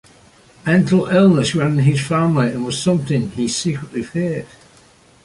Mental illness ran in his family and was something he secretly feared.